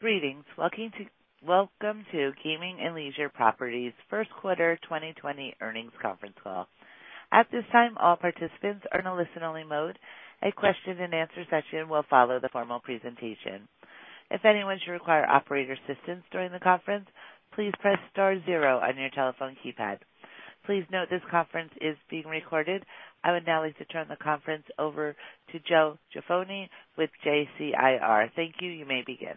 Greetings. Welcome to Gaming and Leisure Properties' first quarter 2020 earnings conference call. At this time, all participants are in a listen-only mode. A question-and-answer session will follow the formal presentation. If anyone should require operator assistance during the conference, please press star zero on your telephone keypad. Please note this conference is being recorded. I would now like to turn the conference over to Joe Jaffoni with JCIR. Thank you. You may begin.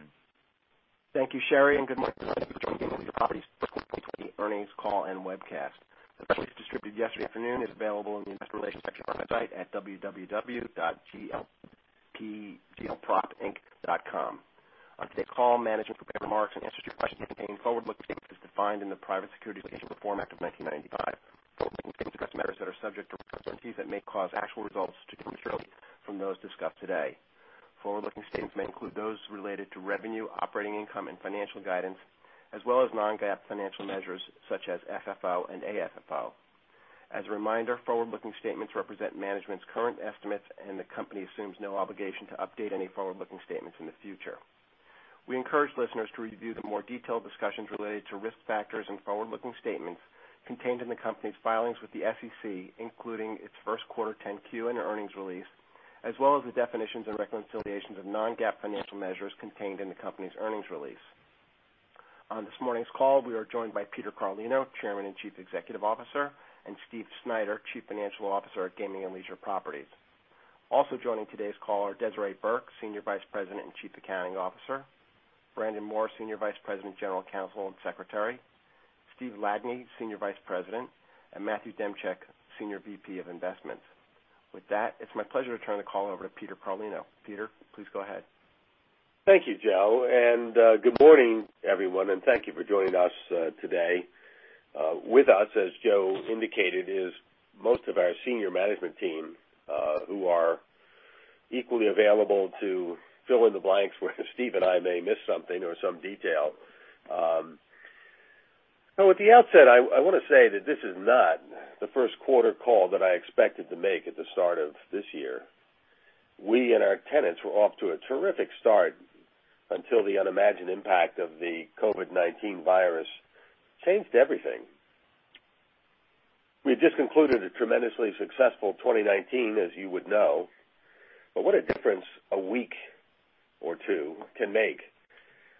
Thank you, Sherry. Good morning. Thank you for joining Gaming and Leisure Properties first quarter 2020 earnings call and webcast. The press release distributed yesterday afternoon is available in the investor relations section of our website at www.glpropinc.com. On today's call, management prepared remarks and answers to your questions that contain forward-looking statements as defined in the Private Securities Litigation Reform Act of 1995. Forward-looking statements address matters that are subject to risks and uncertainties that may cause actual results to materially from those discussed today. Forward-looking statements may include those related to revenue, operating income, and financial guidance, as well as non-GAAP financial measures such as FFO and AFFO. As a reminder, forward-looking statements represent management's current estimates, and the company assumes no obligation to update any forward-looking statements in the future. We encourage listeners to review the more detailed discussions related to risk factors and forward-looking statements contained in the company's filings with the SEC, including its first quarter 10-Q and earnings release, as well as the definitions and reconciliations of non-GAAP financial measures contained in the company's earnings release. On this morning's call, we are joined by Peter Carlino, Chairman and Chief Executive Officer, and Steve Snyder, Chief Financial Officer at Gaming and Leisure Properties. Also joining today's call are Desiree Burke, Senior Vice President and Chief Accounting Officer, Brandon Moore, Senior Vice President, General Counsel, and Secretary, Steve Ladany, Senior Vice President, and Matthew Demchyk, Senior VP of Investments. With that, it's my pleasure to turn the call over to Peter Carlino. Peter, please go ahead. Thank you, Joe. Good morning, everyone, thank you for joining us today. With us, as Joe indicated, is most of our senior management team, who are equally available to fill in the blanks where Steve and I may miss something or some detail. At the outset, I want to say that this is not the first quarter call that I expected to make at the start of this year. We and our tenants were off to a terrific start until the unimagined impact of the COVID-19 virus changed everything. We had just concluded a tremendously successful 2019, as you would know. What a difference a week or two can make.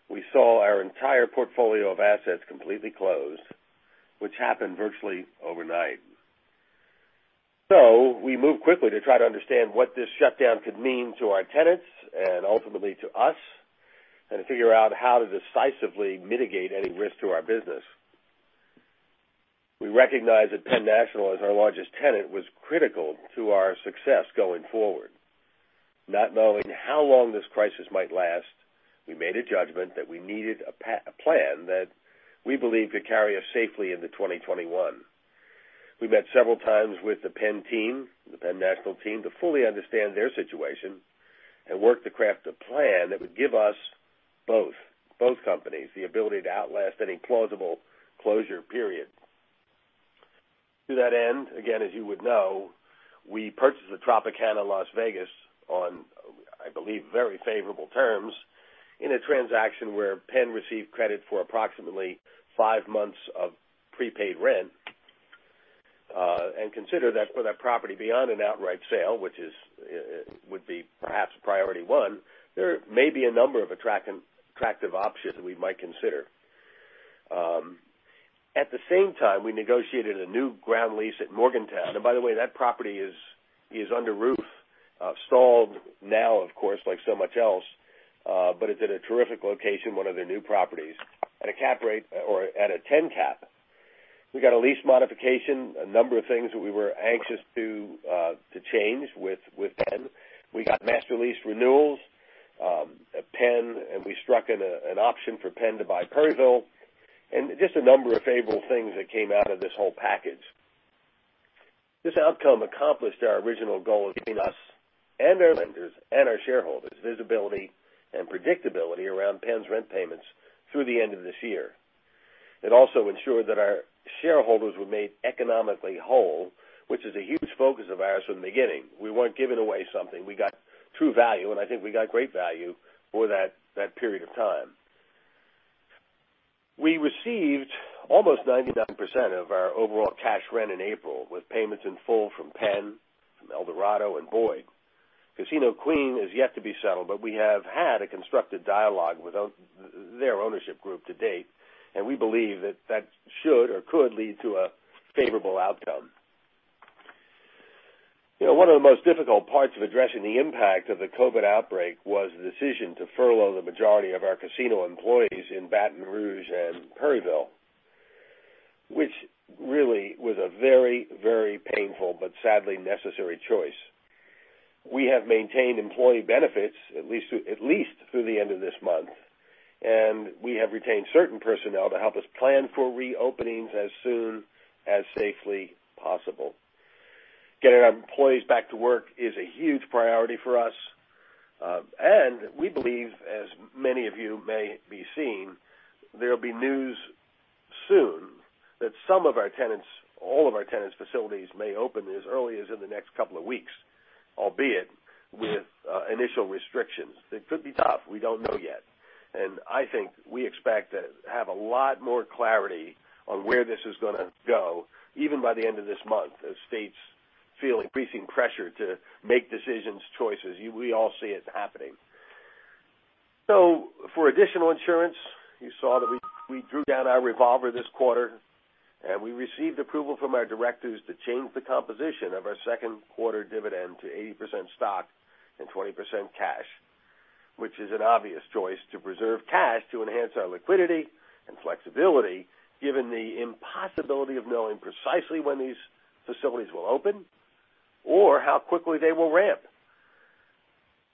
We saw our entire portfolio of assets completely closed, which happened virtually overnight. We moved quickly to try to understand what this shutdown could mean to our tenants and ultimately to us and to figure out how to decisively mitigate any risk to our business. We recognized that Penn National, as our largest tenant, was critical to our success going forward. Not knowing how long this crisis might last, we made a judgment that we needed a plan that we believed could carry us safely into 2021. We met several times with the Penn team, the Penn National team, to fully understand their situation and work to craft a plan that would give us, both companies, the ability to outlast any plausible closure period. To that end, again, as you would know, we purchased the Tropicana Las Vegas on, I believe, very favorable terms in a transaction where Penn received credit for approximately five months of prepaid rent. Consider that for that property, beyond an outright sale, which would be perhaps priority one, there may be a number of attractive options that we might consider. At the same time, we negotiated a new ground lease at Morgantown. By the way, that property is under roof, stalled now, of course, like so much else, but it's in a terrific location, one of their new properties, at a 10 cap. We got a lease modification, a number of things that we were anxious to change with Penn. We got master lease renewals at Penn, and we struck an option for Penn to buy Perryville, and just a number of favorable things that came out of this whole package. This outcome accomplished our original goal of giving us and our lenders and our shareholders visibility and predictability around Penn's rent payments through the end of this year. It also ensured that our shareholders were made economically whole, which is a huge focus of ours from the beginning. We weren't giving away something. We got true value, and I think we got great value for that period of time. We received almost 99% of our overall cash rent in April, with payments in full from Penn, from Eldorado, and Boyd. Casino Queen is yet to be settled, but we have had a constructive dialogue with their ownership group to date, and we believe that that should or could lead to a favorable outcome. One of the most difficult parts of addressing the impact of the COVID outbreak was the decision to furlough the majority of our casino employees in Baton Rouge and Perryville, which really was a very painful but sadly necessary choice. We have maintained employee benefits at least through the end of this month, and we have retained certain personnel to help us plan for reopenings as soon as safely possible. Getting our employees back to work is a huge priority for us, and we believe, as many of you may be seeing, there'll be news soon, that some of our tenants, all of our tenants' facilities may open as early as in the next couple of weeks, albeit with initial restrictions. It could be tough. We don't know yet. I think we expect to have a lot more clarity on where this is going to go, even by the end of this month, as states feel increasing pressure to make decisions, choices. We all see it happening. For additional insurance, you saw that we drew down our revolver this quarter, and we received approval from our directors to change the composition of our second quarter dividend to 80% stock and 20% cash, which is an obvious choice to preserve cash to enhance our liquidity and flexibility, given the impossibility of knowing precisely when these facilities will open or how quickly they will ramp.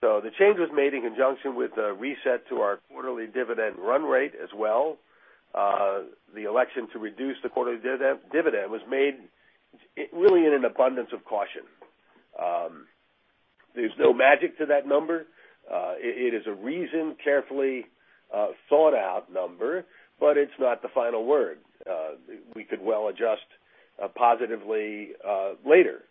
The change was made in conjunction with a reset to our quarterly dividend run rate as well. The election to reduce the quarterly dividend was made really in an abundance of caution. There's no magic to that number. It is a reasoned, carefully thought-out number, but it's not the final word. We could well adjust positively later.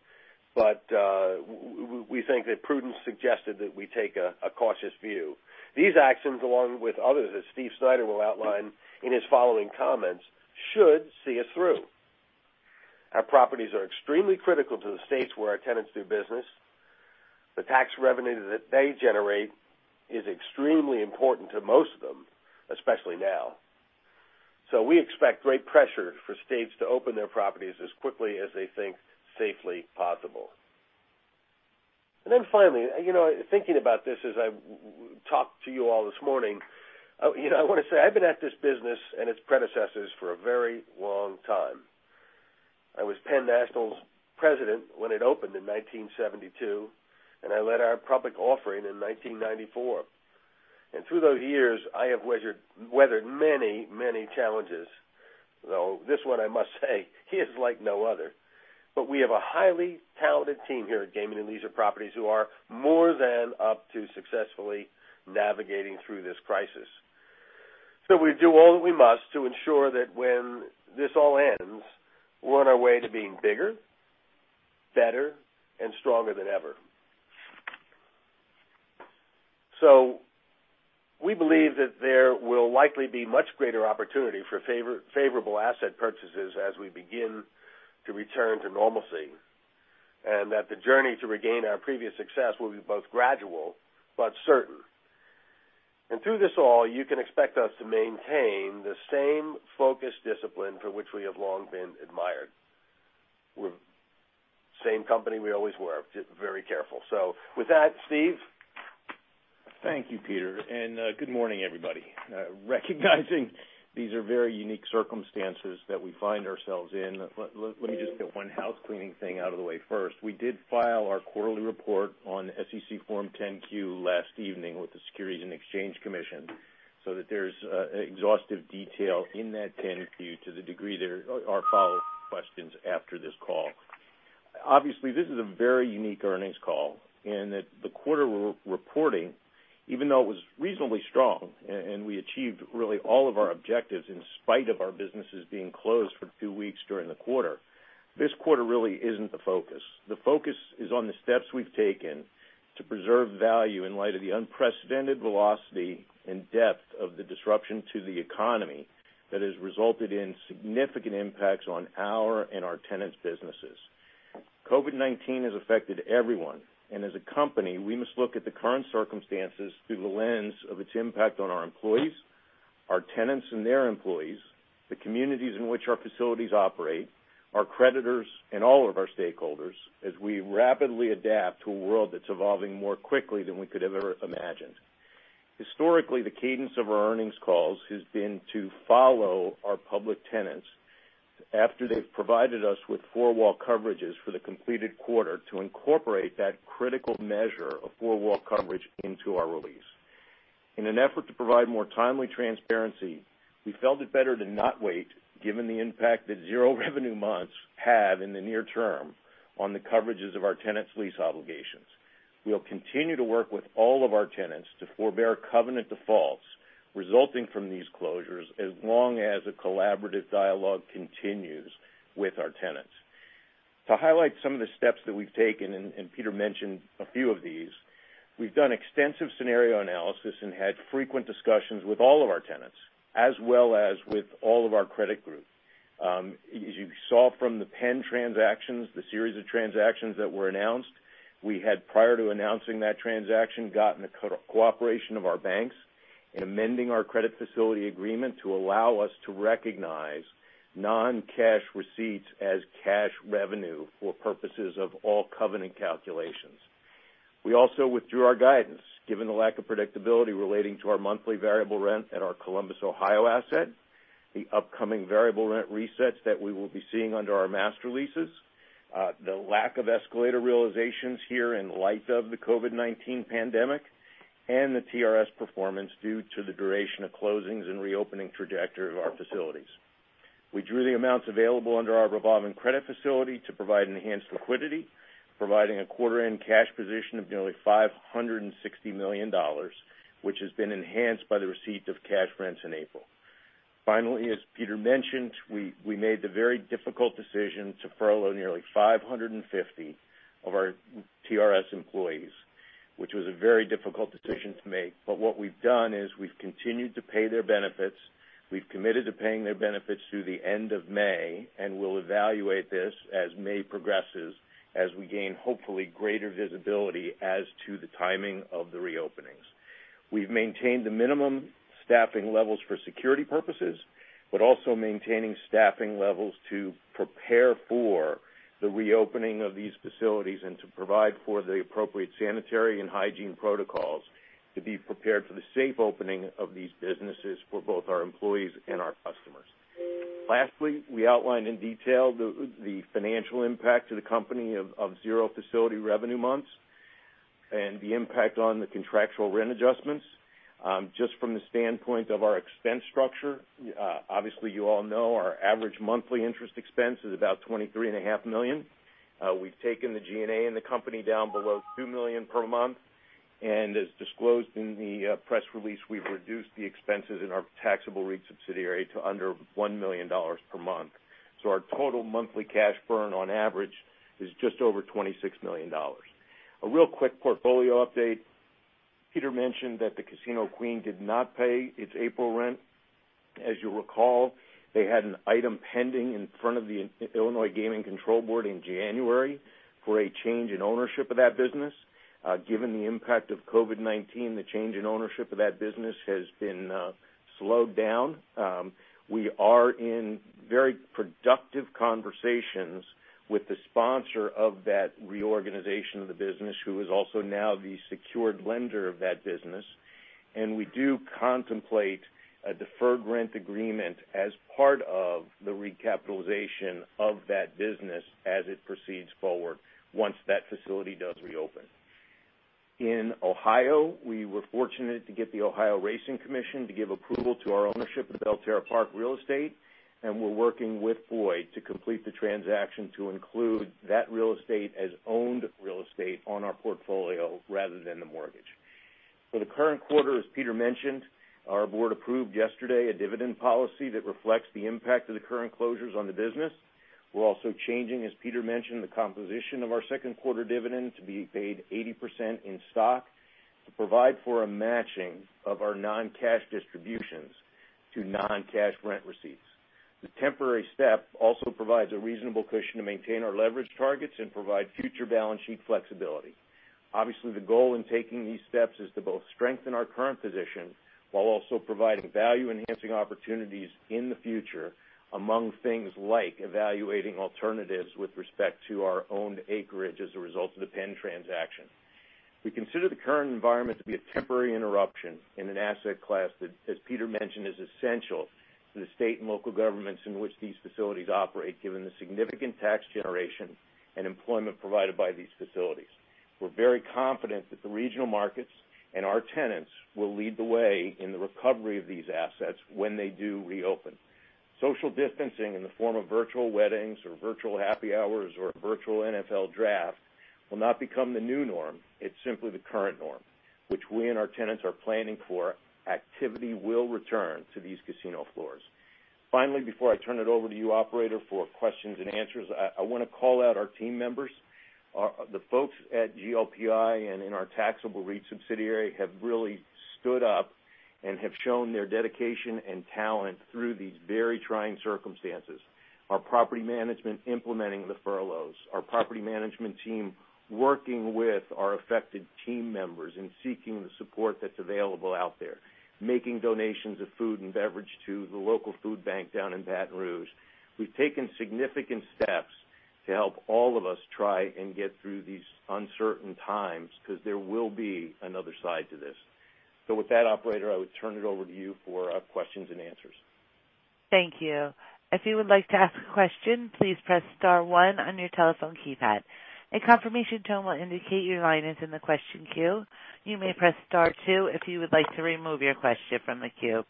We think that prudence suggested that we take a cautious view. These actions, along with others that Steve Snyder will outline in his following comments, should see us through. Our properties are extremely critical to the states where our tenants do business. The tax revenue that they generate is extremely important to most of them, especially now. We expect great pressure for states to open their properties as quickly as they think safely possible. Finally, thinking about this as I talk to you all this morning, I want to say I've been at this business and its predecessors for a very long time. I was Penn National's president when it opened in 1972, and I led our public offering in 1994. Through those years, I have weathered many challenges, though this one, I must say, is like no other. We have a highly talented team here at Gaming and Leisure Properties who are more than up to successfully navigating through this crisis. We do all that we must to ensure that when this all ends, we're on our way to being bigger, better, and stronger than ever. We believe that there will likely be much greater opportunity for favorable asset purchases as we begin to return to normalcy, and that the journey to regain our previous success will be both gradual but certain. Through this all, you can expect us to maintain the same focused discipline for which we have long been admired. We're the same company we always were, just very careful. With that, Steve? Thank you, Peter. Good morning, everybody. Recognizing these are very unique circumstances that we find ourselves in, let me just get one housecleaning thing out of the way first. We did file our quarterly report on SEC Form 10-Q last evening with the Securities and Exchange Commission. There's exhaustive detail in that 10-Q to the degree there are follow-up questions after this call. Obviously, this is a very unique earnings call in that the quarter we're reporting, even though it was reasonably strong and we achieved really all of our objectives in spite of our businesses being closed for two weeks during the quarter, this quarter really isn't the focus. The focus is on the steps we've taken to preserve value in light of the unprecedented velocity and depth of the disruption to the economy that has resulted in significant impacts on our and our tenants' businesses. COVID-19 has affected everyone, and as a company, we must look at the current circumstances through the lens of its impact on our employees, our tenants and their employees, the communities in which our facilities operate, our creditors, and all of our stakeholders as we rapidly adapt to a world that's evolving more quickly than we could have ever imagined. Historically, the cadence of our earnings calls has been to follow our public tenants after they've provided us with four-wall coverages for the completed quarter to incorporate that critical measure of four-wall coverage into our release. In an effort to provide more timely transparency, we felt it better to not wait, given the impact that zero revenue months have in the near term on the coverages of our tenants' lease obligations. We'll continue to work with all of our tenants to forbear covenant defaults resulting from these closures as long as a collaborative dialogue continues with our tenants. To highlight some of the steps that we've taken, and Peter mentioned a few of these, we've done extensive scenario analysis and had frequent discussions with all of our tenants, as well as with all of our credit group. As you saw from the Penn transactions, the series of transactions that were announced, we had, prior to announcing that transaction, gotten the cooperation of our banks in amending our credit facility agreement to allow us to recognize non-cash receipts as cash revenue for purposes of all covenant calculations. We also withdrew our guidance, given the lack of predictability relating to our monthly variable rent at our Columbus, Ohio asset, the upcoming variable rent resets that we will be seeing under our master leases, the lack of escalator realizations here in light of the COVID-19 pandemic, and the TRS performance due to the duration of closings and reopening trajectory of our facilities. We drew the amounts available under our revolving credit facility to provide enhanced liquidity, providing a quarter-end cash position of nearly $560 million, which has been enhanced by the receipt of cash rents in April. As Peter mentioned, we made the very difficult decision to furlough nearly 550 of our TRS employees, which was a very difficult decision to make. What we've done is we've continued to pay their benefits. We've committed to paying their benefits through the end of May, and we'll evaluate this as May progresses, as we gain, hopefully, greater visibility as to the timing of the reopenings. We've maintained the minimum staffing levels for security purposes, but also maintaining staffing levels to prepare for the reopening of these facilities and to provide for the appropriate sanitary and hygiene protocols to be prepared for the safe opening of these businesses for both our employees and our customers. Lastly, we outlined in detail the financial impact to the company of zero facility revenue months and the impact on the contractual rent adjustments. Just from the standpoint of our expense structure, obviously you all know our average monthly interest expense is about $23.5 million. We've taken the G&A in the company down below $2 million per month, and as disclosed in the press release, we've reduced the expenses in our taxable REIT subsidiary to under $1 million per month. Our total monthly cash burn on average is just over $26 million. A real quick portfolio update. Peter mentioned that the Casino Queen did not pay its April rent. As you recall, they had an item pending in front of the Illinois Gaming Board in January for a change in ownership of that business. Given the impact of COVID-19, the change in ownership of that business has been slowed down. We are in very productive conversations with the sponsor of that reorganization of the business, who is also now the secured lender of that business, and we do contemplate a deferred rent agreement as part of the recapitalization of that business as it proceeds forward once that facility does reopen. In Ohio, we were fortunate to get the Ohio State Racing Commission to give approval to our ownership of Belterra Park real estate, and we're working with Boyd to complete the transaction to include that real estate as owned real estate on our portfolio rather than the mortgage. For the current quarter, as Peter mentioned, our board approved yesterday a dividend policy that reflects the impact of the current closures on the business. We're also changing, as Peter mentioned, the composition of our second quarter dividend to be paid 80% in stock to provide for a matching of our non-cash distributions to non-cash rent receipts. The temporary step also provides a reasonable cushion to maintain our leverage targets and provide future balance sheet flexibility. Obviously, the goal in taking these steps is to both strengthen our current position while also providing value-enhancing opportunities in the future, among things like evaluating alternatives with respect to our owned acreage as a result of the Penn transaction. We consider the current environment to be a temporary interruption in an asset class that, as Peter mentioned, is essential to the state and local governments in which these facilities operate, given the significant tax generation and employment provided by these facilities. We're very confident that the regional markets and our tenants will lead the way in the recovery of these assets when they do reopen. Social distancing in the form of virtual weddings or virtual happy hours or a virtual NFL draft will not become the new norm. It's simply the current norm, which we and our tenants are planning for. Activity will return to these casino floors. Before I turn it over to you, operator, for questions and answers, I want to call out our team members. The folks at GLPI and in our taxable REIT subsidiary have really stood up and have shown their dedication and talent through these very trying circumstances. Our property management implementing the furloughs, our property management team working with our affected team members and seeking the support that's available out there, making donations of food and beverage to the local food bank down in Baton Rouge. We've taken significant steps to help all of us try and get through these uncertain times, because there will be another side to this. With that, operator, I would turn it over to you for questions and answers. Thank you. If you would like to ask a question, please press star one on your telephone keypad. A confirmation tone will indicate your line is in the question queue. You may press star two if you would like to remove your question from the queue.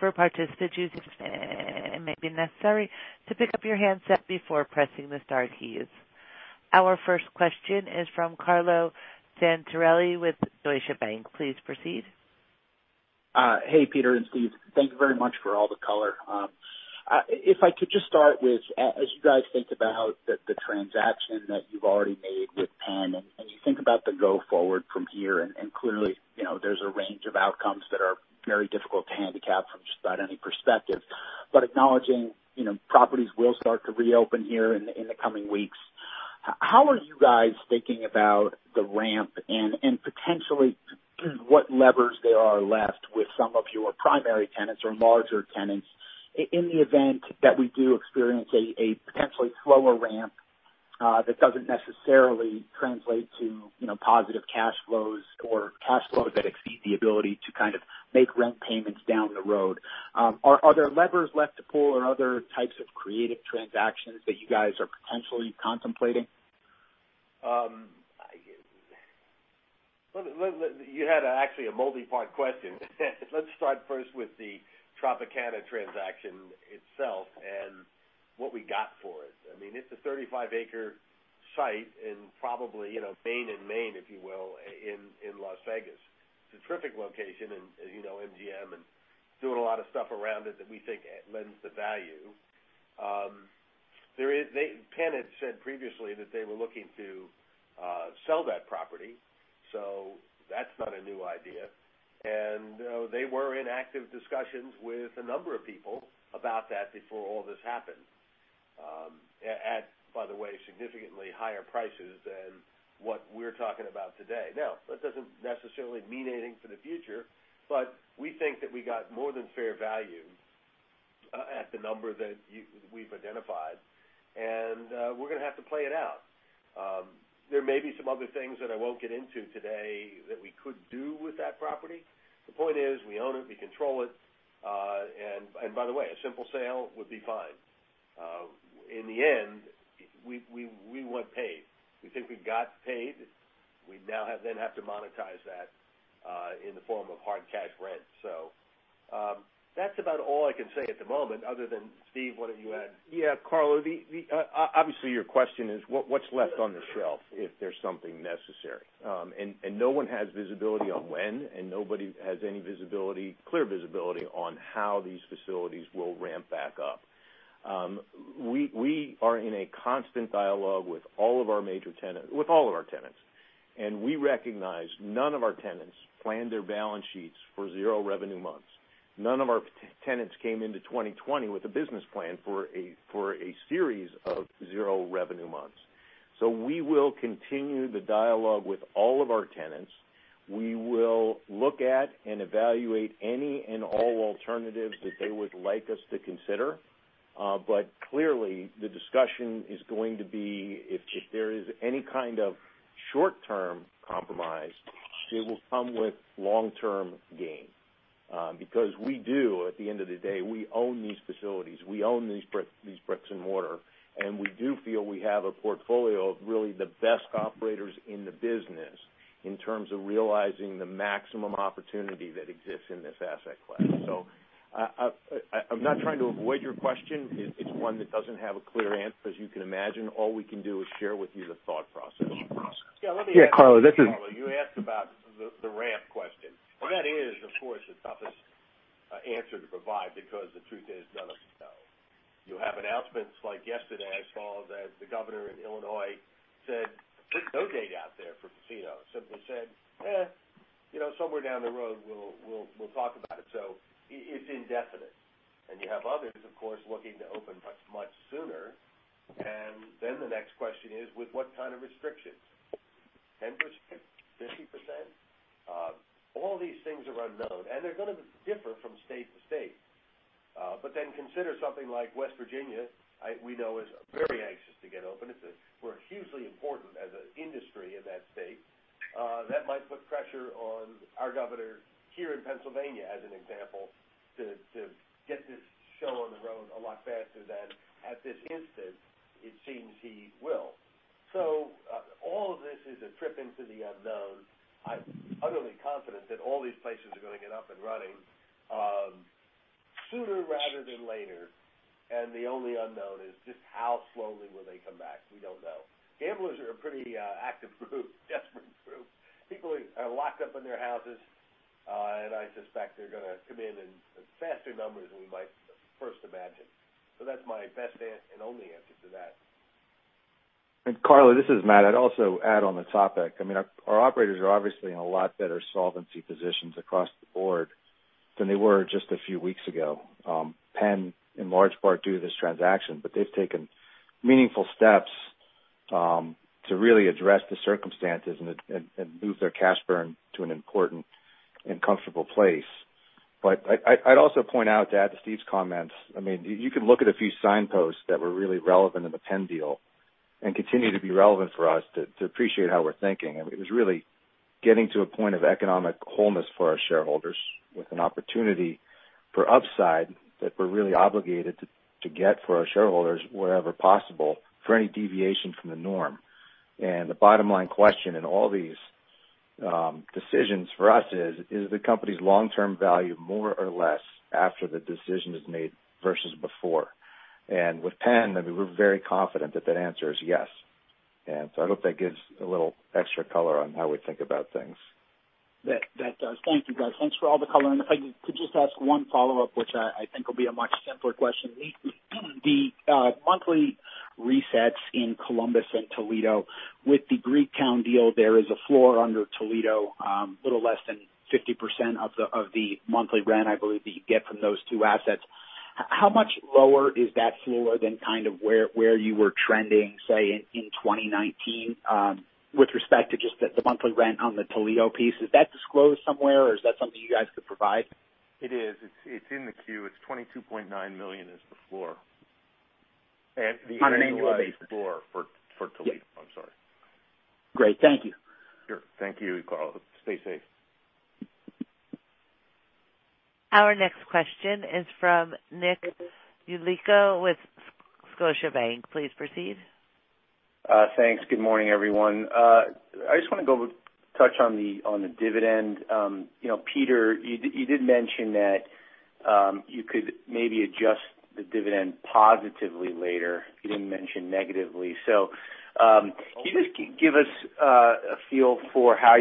For participants using, it may be necessary to pick up your handset before pressing the star keys. Our first question is from Carlo Santarelli with Deutsche Bank. Please proceed. Hey, Peter and Steve. Thank you very much for all the color. If I could just start with, as you guys think about the transaction that you've already made with Penn, you think about the go forward from here, clearly, there's a range of outcomes that are very difficult to handicap from just about any perspective. Acknowledging properties will start to reopen here in the coming weeks. How are you guys thinking about the ramp and potentially what levers there are left with some of your primary tenants or larger tenants in the event that we do experience a potentially slower ramp that doesn't necessarily translate to positive cash flows or cash flows that exceed the ability to kind of make rent payments down the road? Are there levers left to pull or other types of creative transactions that you guys are potentially contemplating? You had actually a multi-part question. Let's start first with the Tropicana transaction itself. What we got for it. It's a 35-acre site in probably Main and Main in Las Vegas. It's a terrific location. MGM doing a lot of stuff around it that we think lends to value. Penn had said previously that they were looking to sell that property. That's not a new idea. They were in active discussions with a number of people about that before all this happened. By the way, significantly higher prices than what we're talking about today. That doesn't necessarily mean anything for the future, but we think that we got more than fair value at the number that we've identified. We're going to have to play it out. There may be some other things that I won't get into today that we could do with that property. The point is, we own it, we control it. By the way, a simple sale would be fine. In the end, we want paid. We think we've got paid. We now then have to monetize that in the form of hard cash rent. That's about all I can say at the moment other than, Steve, what do you add? Yeah, Carlo, obviously, your question is what's left on the shelf if there's something necessary. No one has visibility on when, and nobody has any clear visibility on how these facilities will ramp back up. We are in a constant dialogue with all of our tenants. We recognize none of our tenants plan their balance sheets for zero revenue months. None of our tenants came into 2020 with a business plan for a series of zero revenue months. We will continue the dialogue with all of our tenants. We will look at and evaluate any and all alternatives that they would like us to consider. Clearly, the discussion is going to be, if there is any kind of short-term compromise, it will come with long-term gain. We do, at the end of the day, we own these facilities. We own these bricks and mortar, and we do feel we have a portfolio of really the best operators in the business in terms of realizing the maximum opportunity that exists in this asset class. I'm not trying to avoid your question. It's one that doesn't have a clear answer, as you can imagine. All we can do is share with you the thought process. Yeah. Yeah, Carlo. Carlo, you asked about the ramp question. That is, of course, the toughest answer to provide because the truth is none of us know. You have announcements like yesterday I saw that the governor in Illinois said there's no date out there for casinos. Simply said, "Eh, somewhere down the road, we'll talk about it." It's indefinite. You have others, of course, looking to open much sooner. The next question is, with what kind of restrictions? 10%? 50%? All these things are unknown, and they're going to differ from state to state. Consider something like West Virginia, we know is very anxious to get open. We're hugely important as an industry in that state. That might put pressure on our governor here in Pennsylvania, as an example, to get this show on the road a lot faster than at this instance, it seems he will. All of this is a trip into the unknown. I'm utterly confident that all these places are going to get up and running sooner rather than later. The only unknown is just how slowly will they come back. We don't know. Gamblers are a pretty active group, desperate group. People are locked up in their houses, and I suspect they're going to come in in faster numbers than we might first imagine. That's my best answer and only answer to that. Carlo, this is Matt. I'd also add on the topic. Our operators are obviously in a lot better solvency positions across the board than they were just a few weeks ago. Penn, in large part due to this transaction, they've taken meaningful steps to really address the circumstances and move their cash burn to an important and comfortable place. I'd also point out to add to Steve's comments, you can look at a few signposts that were really relevant in the Penn deal and continue to be relevant for us to appreciate how we're thinking. It was really getting to a point of economic wholeness for our shareholders with an opportunity for upside that we're really obligated to get for our shareholders wherever possible for any deviation from the norm. The bottom line question in all these decisions for us is the company's long-term value more or less after the decision is made versus before? With Penn, we're very confident that that answer is yes. I hope that gives a little extra color on how we think about things. That does. Thank you, guys. Thanks for all the color. If I could just ask one follow-up, which I think will be a much simpler question. The monthly resets in Columbus and Toledo with the Greektown deal, there is a floor under Toledo, a little less than 50% of the monthly rent, I believe, that you get from those two assets. How much lower is that floor than where you were trending, say, in 2019 with respect to just the monthly rent on the Toledo piece? Is that disclosed somewhere or is that something you guys could provide? It is. It's in the queue. It's $22.9 million is the floor. On an annual basis. The annualized floor for Toledo. I'm sorry. Great. Thank you. Sure. Thank you, Carlo. Stay safe. Our next question is from Nick Yulico with Scotiabank. Please proceed. Thanks. Good morning, everyone. I just want to touch on the dividend. Peter, you did mention that you could maybe adjust the dividend positively later. You didn't mention negatively. Can you just give us a feel for how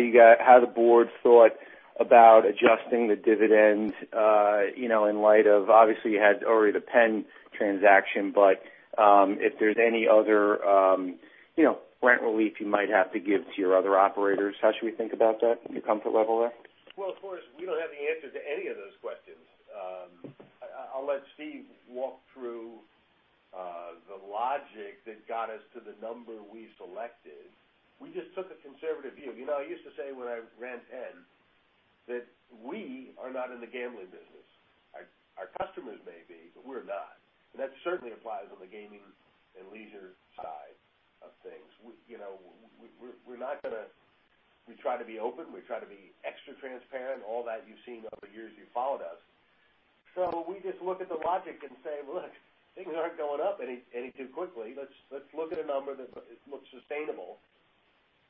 the board thought about adjusting the dividend, in light of, obviously, you had already the Penn transaction, but if there's any other rent relief you might have to give to your other operators, how should we think about that, your comfort level there? Well, of course, we don't have the answer to any of those questions. I'll let Steve walk through the logic that got us to the number we selected. We just took a conservative view. I used to say when I ran Penn that we are not in the gambling business. Our customers may be, but we're not. That certainly applies on the Gaming and Leisure side of things. We try to be open. We try to be extra transparent, all that you've seen over years you followed us. We just look at the logic and say, "Look, things aren't going up any too quickly. Let's look at a number that looks sustainable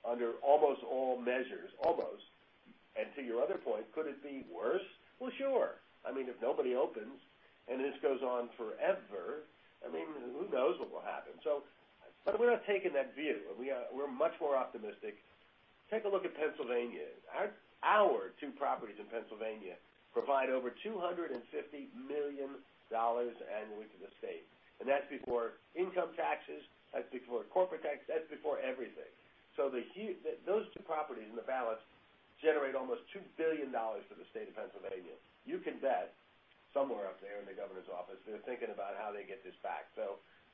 under almost all measures." Almost. To your other point, could it be worse? Well, sure. If nobody opens and this goes on forever, who knows what will happen? We're not taking that view. We're much more optimistic. Take a look at Pennsylvania. Our two properties in Pennsylvania provide over $250 million annually to the state, and that's before income taxes, that's before corporate tax, that's before everything. Those two properties in the balance generate almost $2 billion for the state of Pennsylvania. You can bet somewhere up there in the governor's office, they're thinking about how they get this back.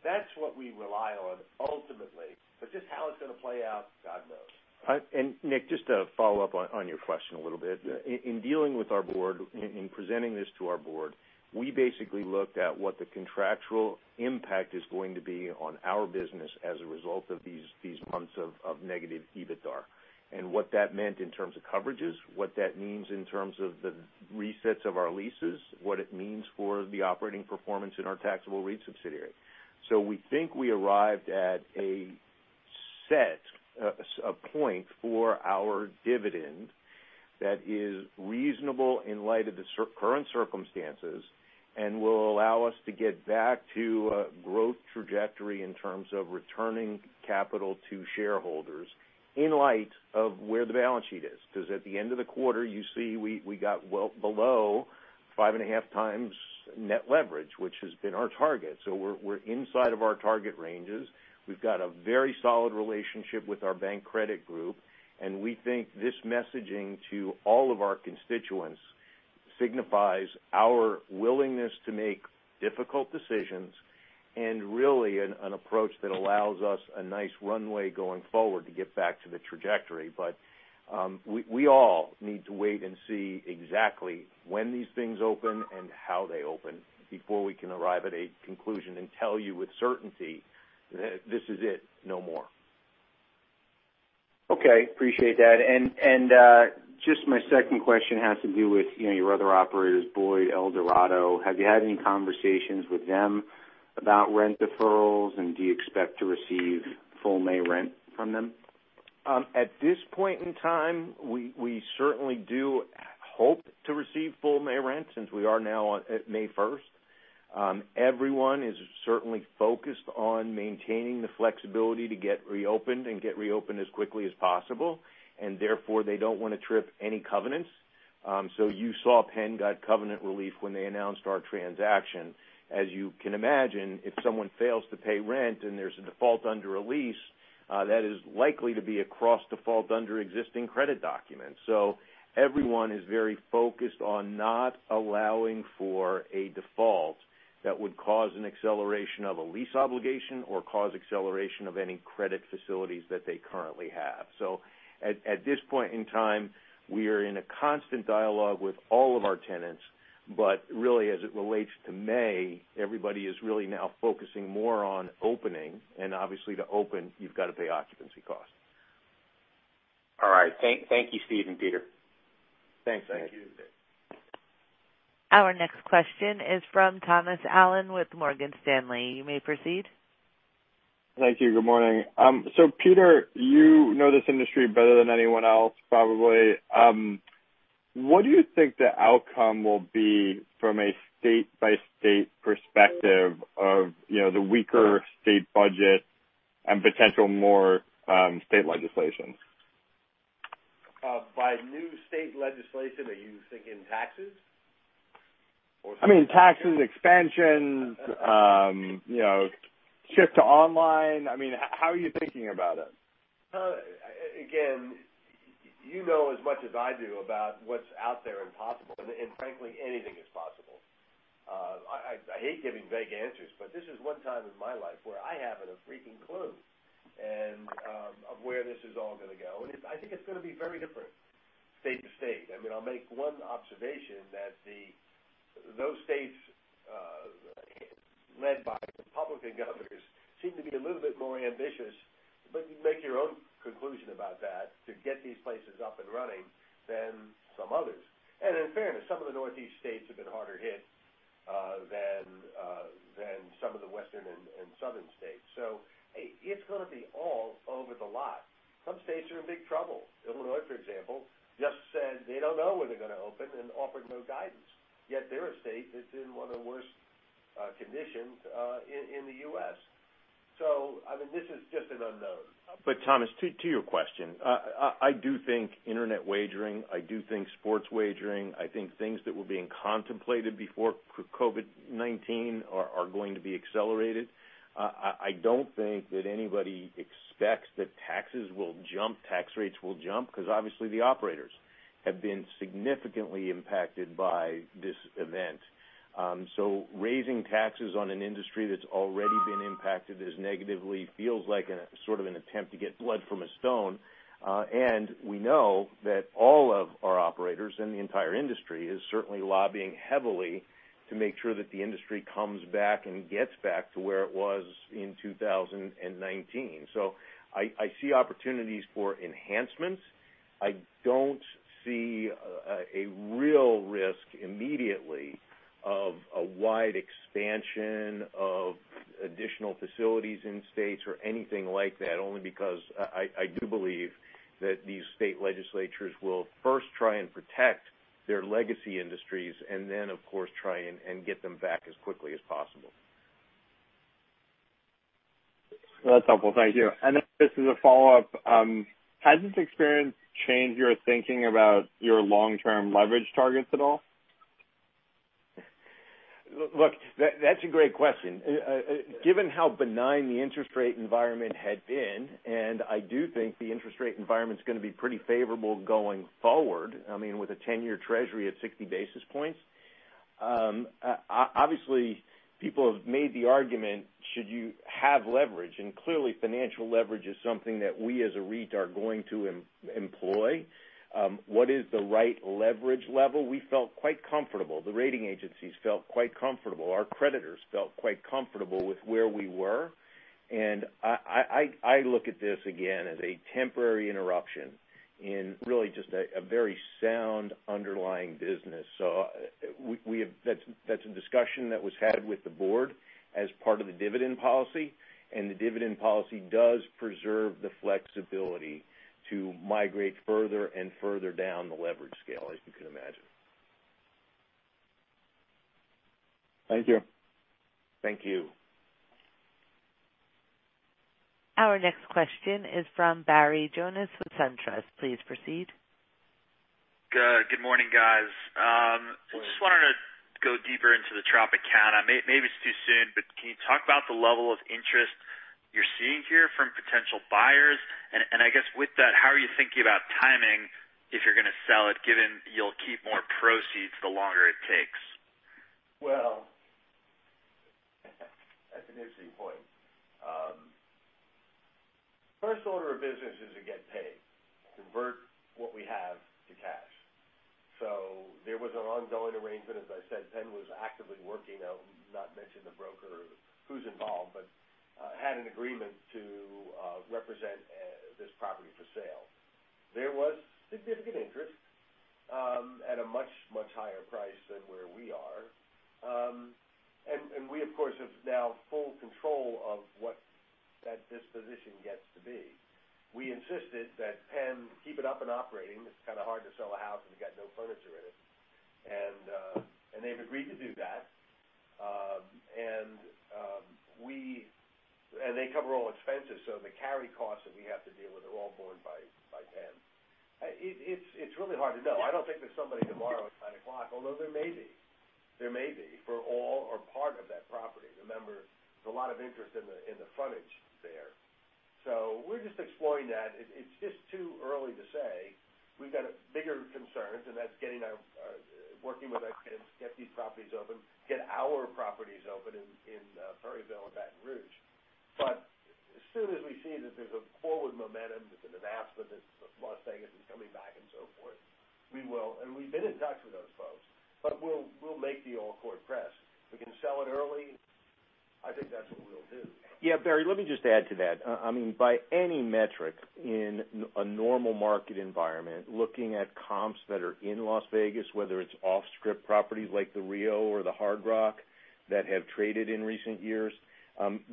That's what we rely on ultimately. Just how it's going to play out, God knows. Nick, just to follow up on your question a little bit. In dealing with our board, in presenting this to our board, we basically looked at what the contractual impact is going to be on our business as a result of these months of negative EBITDA and what that meant in terms of coverages, what that means in terms of the resets of our leases, what it means for the operating performance in our taxable REIT subsidiary. We think we arrived at a set, a point for our dividend that is reasonable in light of the current circumstances and will allow us to get back to a growth trajectory in terms of returning capital to shareholders in light of where the balance sheet is. Because at the end of the quarter, you see we got well below 5.5x net leverage, which has been our target. We're inside of our target ranges. We've got a very solid relationship with our bank credit group, and we think this messaging to all of our constituents signifies our willingness to make difficult decisions and really an approach that allows us a nice runway going forward to get back to the trajectory. We all need to wait and see exactly when these things open and how they open before we can arrive at a conclusion and tell you with certainty that this is it, no more. Okay. Appreciate that. Just my second question has to do with your other operators, Boyd, Eldorado. Have you had any conversations with them about rent deferrals, and do you expect to receive full May rent from them? At this point in time, we certainly do hope to receive full May rent since we are now at May 1st. Everyone is certainly focused on maintaining the flexibility to get reopened and get reopened as quickly as possible, therefore they don't want to trip any covenants. You saw Penn got covenant relief when they announced our transaction. As you can imagine, if someone fails to pay rent and there's a default under a lease, that is likely to be a cross-default under existing credit documents. Everyone is very focused on not allowing for a default that would cause an acceleration of a lease obligation or cause acceleration of any credit facilities that they currently have. At this point in time, we are in a constant dialogue with all of our tenants. Really, as it relates to May, everybody is really now focusing more on opening, and obviously to open, you've got to pay occupancy costs. All right. Thank you, Steve and Peter. Thanks, Nick. Thank you. Our next question is from Thomas Allen with Morgan Stanley. You may proceed. Thank you. Good morning. Peter, you know this industry better than anyone else, probably. What do you think the outcome will be from a state-by-state perspective of the weaker state budget and potential more state legislations? By new state legislation, are you thinking taxes? I mean, taxes, expansions, shift to online. How are you thinking about it? You know as much as I do about what's out there and possible, frankly, anything is possible. I hate giving vague answers, this is one time in my life where I haven't a freaking clue of where this is all going to go. I think it's going to be very different state to state. I'll make one observation that those states led by Republican governors seem to be a little bit more ambitious, but you make your own conclusion about that, to get these places up and running than some others. In fairness, some of the Northeast states have been harder hit than some of the Western and Southern states. Hey, it's going to be all over the lot. Some states are in big trouble. Illinois, for example, just said they don't know when they're going to open and offered no guidance, yet they're a state that's in one of the worst conditions in the U.S. This is just an unknown. Thomas, to your question, I do think internet wagering, I do think sports wagering, I think things that were being contemplated before COVID-19 are going to be accelerated. I don't think that anybody expects that taxes will jump, tax rates will jump, because obviously the operators have been significantly impacted by this event. Raising taxes on an industry that's already been impacted this negatively feels like a sort of an attempt to get blood from a stone. We know that all of our operators in the entire industry is certainly lobbying heavily to make sure that the industry comes back and gets back to where it was in 2019. I see opportunities for enhancements. I don't see a real risk immediately of a wide expansion of additional facilities in states or anything like that, only because I do believe that these state legislatures will first try and protect their legacy industries and then, of course, try and get them back as quickly as possible. That's helpful. Thank you. Then this is a follow-up. Has this experience changed your thinking about your long-term leverage targets at all? Look, that's a great question. Given how benign the interest rate environment had been, I do think the interest rate environment's going to be pretty favorable going forward, I mean, with a 10-year Treasury at 60 basis points. Obviously, people have made the argument, should you have leverage? Clearly, financial leverage is something that we as a REIT are going to employ. What is the right leverage level? We felt quite comfortable. The rating agencies felt quite comfortable. Our creditors felt quite comfortable with where we were. I look at this, again, as a temporary interruption in really just a very sound underlying business. That's a discussion that was had with the board as part of the dividend policy, and the dividend policy does preserve the flexibility to migrate further and further down the leverage scale, as you can imagine. Thank you. Thank you. Our next question is from Barry Jonas with SunTrust. Please proceed. Good morning, guys. Morning. Just wanted to go deeper into the Tropicana. Maybe it's too soon, but can you talk about the level of interest you're seeing here from potential buyers? I guess with that, how are you thinking about timing if you're going to sell it, given you'll keep more proceeds the longer it takes? Well, that's an interesting point. First order of business is to get paid, convert what we have to cash. There was an ongoing arrangement, as I said, Penn was actively working, I'll not mention the broker who's involved, but had an agreement to represent this property for sale. There was significant interest, at a much, much higher price than where we are. We of course, have now full control of what that disposition gets to be. We insisted that Penn keep it up and operating. It's kind of hard to sell a house if you've got no furniture in it. They've agreed to do that. They cover all expenses, so the carry costs that we have to deal with are all borne by Penn. It's really hard to know. I don't think there's somebody tomorrow at 9:00, although there may be. There may be, for all or part of that property. Remember, there's a lot of interest in the frontage there. We're just exploring that. It's just too early to say. We've got bigger concerns, and that's working with our tenants to get these properties open, get our properties open in Perryville and Baton Rouge. As soon as we see that there's a forward momentum, that there's a nascent, that Las Vegas is coming back and so forth, we will. We've been in touch with those folks, but we'll make the all-court press. If we can sell it early, I think that's what we'll do. Yeah, Barry, let me just add to that. By any metric in a normal market environment, looking at comps that are in Las Vegas, whether it's off-strip properties like the Rio or the Hard Rock that have traded in recent years.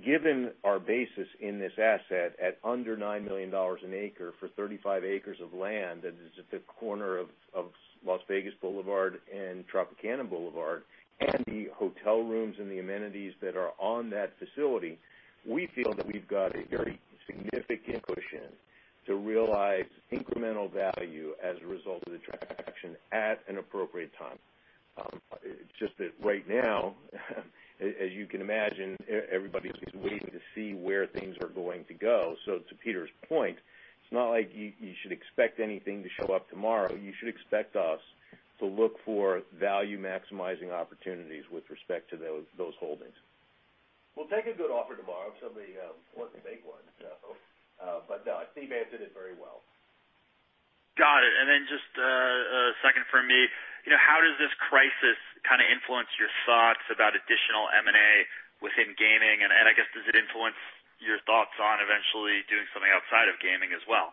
Given our basis in this asset at under $9 million an acre for 35 acres of land that is at the corner of Las Vegas Boulevard and Tropicana Boulevard, and the hotel rooms and the amenities that are on that facility, we feel that we've got a very significant cushion to realize incremental value as a result of the transaction at an appropriate time. It's just that right now, as you can imagine, everybody is waiting to see where things are going to go. To Peter's point, it's not like you should expect anything to show up tomorrow. You should expect us to look for value-maximizing opportunities with respect to those holdings. We'll take a good offer tomorrow if somebody wants to make one. No, Steve answered it very well. Got it. Just a second from me. How does this crisis kind of influence your thoughts about additional M&A within gaming? I guess, does it influence your thoughts on eventually doing something outside of gaming as well?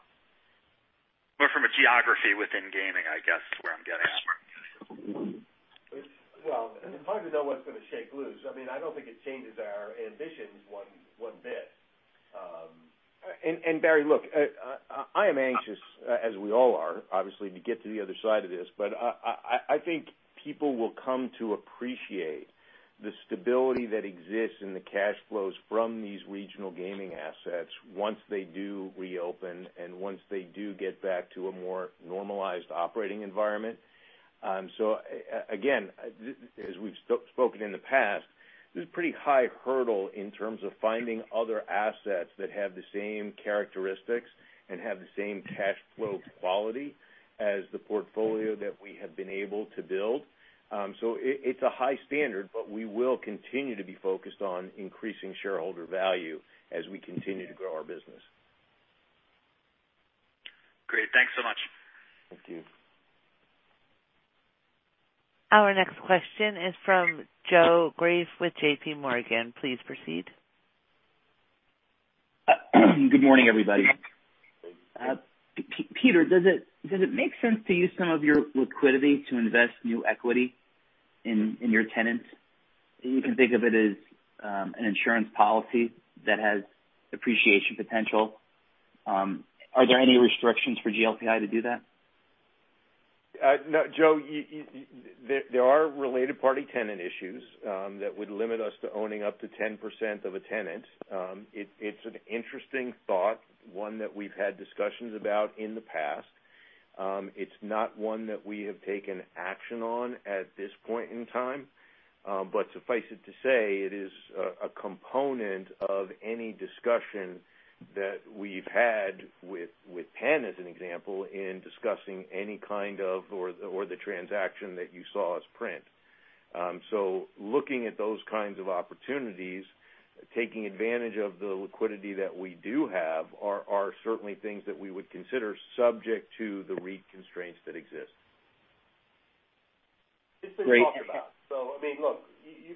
From a geography within gaming, I guess, is where I'm getting at. Well, it's hard to know what's going to shake loose. I don't think it changes our ambitions one bit. Barry, look, I am anxious, as we all are, obviously, to get to the other side of this, but I think people will come to appreciate the stability that exists in the cash flows from these regional gaming assets once they do reopen and once they do get back to a more normalized operating environment. Again, as we've spoken in the past, there's a pretty high hurdle in terms of finding other assets that have the same characteristics and have the same cash flow quality as the portfolio that we have been able to build. It's a high standard, but we will continue to be focused on increasing shareholder value as we continue to grow our business. Great. Thanks so much. Thank you. Our next question is from Joe Greff with JPMorgan. Please proceed. Good morning, everybody. Peter, does it make sense to use some of your liquidity to invest new equity in your tenants? You can think of it as an insurance policy that has appreciation potential. Are there any restrictions for GLPI to do that? Joe, there are related party tenant issues that would limit us to owning up to 10% of a tenant. It's an interesting thought, one that we've had discussions about in the past. It's not one that we have taken action on at this point in time. Suffice it to say, it is a component of any discussion that we've had with Penn, as an example, in discussing any kind of, or the transaction that you saw us print. Looking at those kinds of opportunities, taking advantage of the liquidity that we do have, are certainly things that we would consider subject to the REIT constraints that exist. Great. It's been talked about. Look,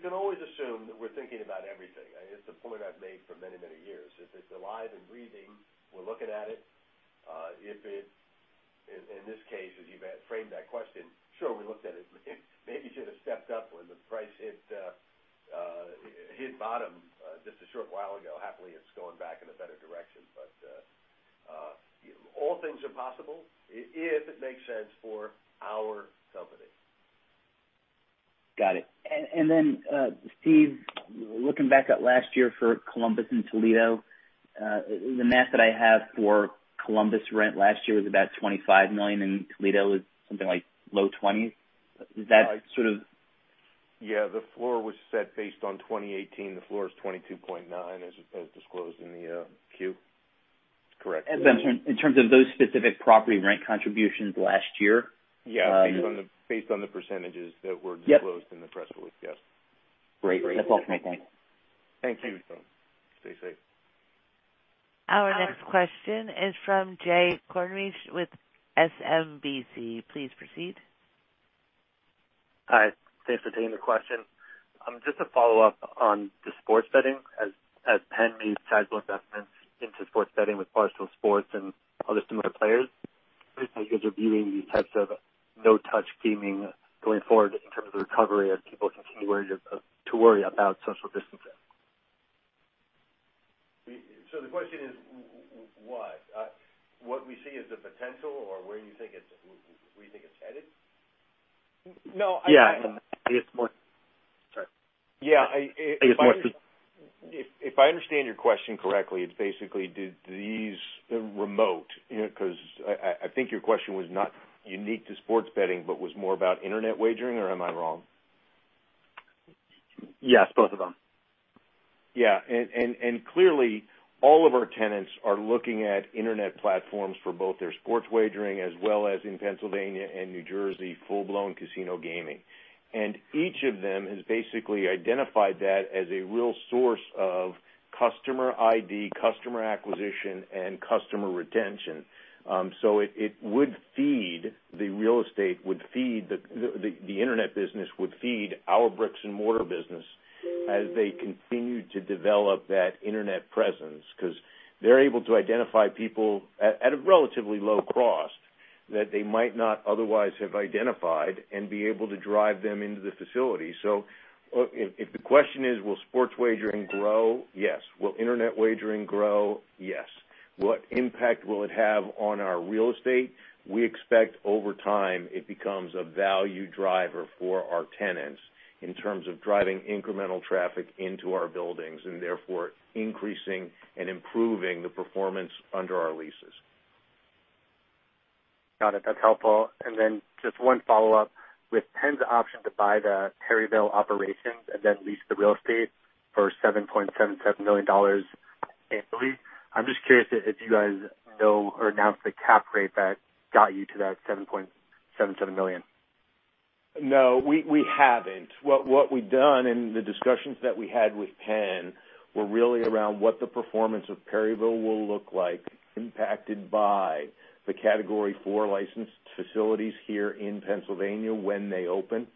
you can always assume that we're thinking about everything. It's a point I've made for many, many years. If it's alive and breathing, we're looking at it. If it's, in this case, as you've framed that question, sure, we looked at it. Maybe should have stepped up when the price hit bottom just a short while ago. Happily, it's going back in a better direction. All things are possible if it makes sense for our company. Got it. Steve, looking back at last year for Columbus and Toledo, the math that I have for Columbus rent last year was about $25 million, and Toledo is something like low $20s. Is that sort of? Yeah, the floor was set based on 2018. The floor is $22.9 million as disclosed in the Q. That's correct. In terms of those specific property rent contributions last year? Yeah. Based on the percentages. Yep disclosed in the press release. Yes. Great. That's all for me. Thanks. Thank you, Joe. Stay safe. Our next question is from Jay Kornreich with SMBC. Please proceed. Hi. Thanks for taking the question. Just to follow up on the sports betting, as Penn made sizable investments into sports betting with Barstool Sports and other similar players, curious how you guys are viewing these types of no-touch gaming going forward in terms of the recovery as people continue to worry about social distancing? The question is, what we see as a potential or where you think it's headed? No. Yeah. I guess more Sorry. Yeah. I guess more for- If I understand your question correctly, it's basically do these remote, because I think your question was not unique to sports betting, but was more about internet wagering, or am I wrong? Yes, both of them. Yeah. Clearly, all of our tenants are looking at internet platforms for both their sports wagering as well as in Pennsylvania and New Jersey, full-blown casino gaming. Each of them has basically identified that as a real source of customer ID, customer acquisition, and customer retention. It would feed the real estate, the internet business would feed our bricks and mortar business as they continue to develop that internet presence, because they're able to identify people at a relatively low cost that they might not otherwise have identified and be able to drive them into the facility. If the question is, will sports wagering grow? Yes. Will internet wagering grow? Yes. What impact will it have on our real estate? We expect over time it becomes a value driver for our tenants in terms of driving incremental traffic into our buildings and therefore increasing and improving the performance under our leases. Got it. That's helpful. Just one follow-up. With Penn's option to buy the Perryville operations and then lease the real estate for $7.77 million annually, I'm just curious if you guys know or announced the cap rate that got you to that $7.77 million. No, we haven't. What we've done in the discussions that we had with Penn were really around what the performance of Perryville will look like impacted by the Category 4 licensed facilities here in Pennsylvania when they open.